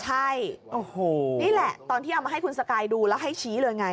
ใช่นี่แหละตอนที่เอามาให้คุณสกายดูแล้วให้ชี้เลยไง